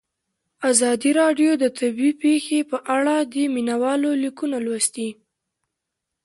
ازادي راډیو د طبیعي پېښې په اړه د مینه والو لیکونه لوستي.